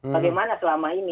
bagaimana selama ini